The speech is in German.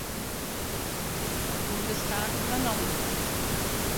Bundestag übernommen wurden.